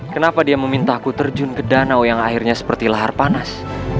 kenapa dia memintaku terjun ke danau yang akhirnya seperti lahar panas